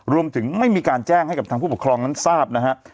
รวมถึงไม่มีการแจ้งให้กับทางผู้ปกครองนั้นทราบนะฮะ